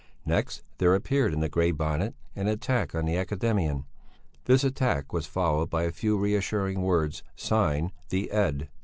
Next there appeared in the Grey Bonnet an attack on the academician; this attack was followed by a few reassuring words signed "The Ed."